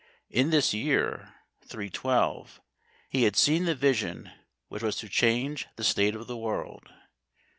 In this year, 312, he had seen the Vision which was to change the state of the world.